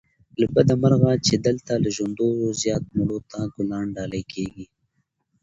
له بده مرغه چې دلته له ژوندیو زيات مړو ته ګلان ډالې کېږي